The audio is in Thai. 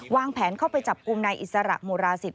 วางแผนเข้าไปจับกลุ่มนายอิสระมุราศิษ